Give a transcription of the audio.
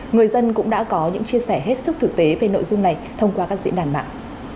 người dân cũng đã có những chia sẻ hết sức thực tế về nội dung này thông qua các diễn đàn mạng